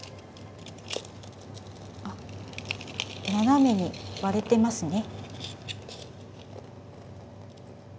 あっ斜めに割れてますね。